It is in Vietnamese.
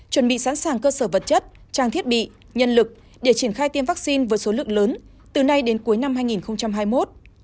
chuẩn bị sẵn sàng cơ sở vật chất trang thiết bị nhân lực để triển khai tiêm vaccine với số lượng lớn từ nay đến cuối năm hai nghìn hai mươi một